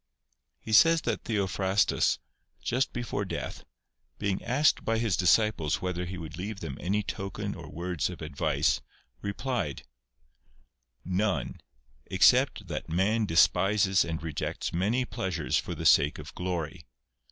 He says that Theophrastus, just before death, being asked by his disciples whether he would leave them any token or words of advice, replied : MARCUS BRUTUS AND THEOPHRASTUS. 199 "None, except that man despises and rejects many pleasures for the sake of glory.